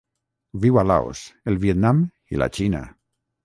Viu a Laos, el Vietnam i la Xina.